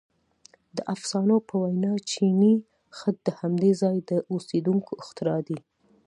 • د افسانو په وینا چیني خط د همدې ځای د اوسېدونکو اختراع دی.